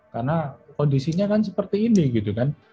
karena kondisinya kan seperti ini gitu kan